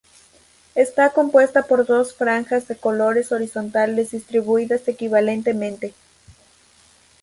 Está compuesta por dos franja de colores horizontales distribuidas equitativamente.